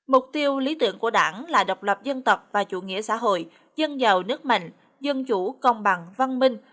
mục tiêu lý tưởng của đảng là độc lập dân tộc và chủ nghĩa xã hội dân giàu nước mạnh dân chủ công bằng văn minh